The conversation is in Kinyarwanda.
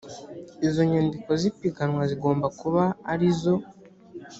izo nyandiko z’ipiganwa zigomba kuba ari zose